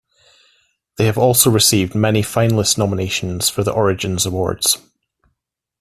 They have also received many finalist nominations for the Origins Awards.